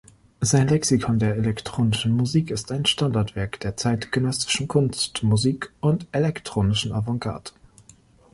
Sein "Lexikon der elektronischen Musik" ist ein Standardwerk der zeitgenössischen Kunstmusik und elektronischen Avantgarde.